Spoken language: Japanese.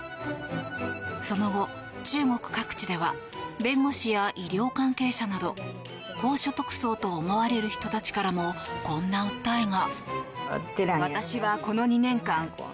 その後、中国各地では弁護士や医療関係者など高所得層と思われる人たちからもこんな訴えが。